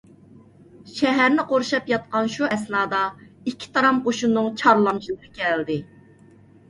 شەھەرنى قورشاپ ياتقان شۇ ئەسنادا ئىككى تارام قوشۇننىڭ چارلامچىلىرى كەلدى.